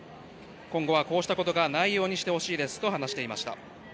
今後はこうしたことがないようにしてほしいですと話していました。